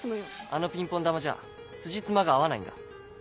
あのピンポン球じゃ辻褄が合わないんだ。